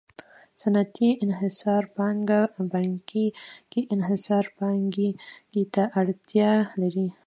صنعتي انحصاري پانګه بانکي انحصاري پانګې ته اړتیا لري